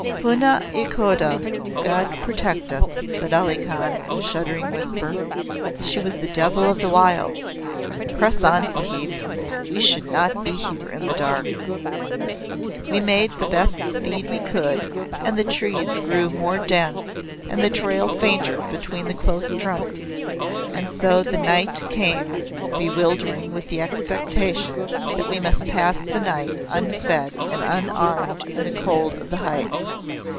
"Puna i Khoda God protect us!" said Ali Khan in a shuddering whisper. "She was a devil of the wilds. Press on, Sahib. We should not be here in the dark." There was nothing else to do. We made the best speed we could, and the trees grew more dense and the trail fainter between the close trunks, and so the night came bewildering with the expectation that we must pass the night unfed and unarmed in the cold of the heights.